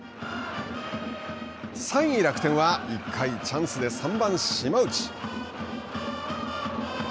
３位楽天はチャンスで３番島内。